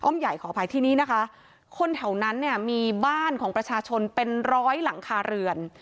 ใหญ่ขออภัยที่นี่นะคะคนแถวนั้นเนี่ยมีบ้านของประชาชนเป็นร้อยหลังคาเรือน